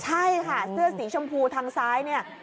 ใช่ค่ะเสื้อสีชมพูทางซ้ายเนี่ย